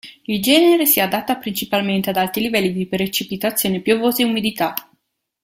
Il genere si adatta principalmente ad alti livelli di precipitazioni piovose e umidità.